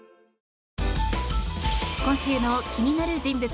今週の気になる人物